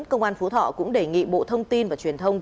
cơ quan phú thọ cũng đề nghị bộ thông tin và truyền thông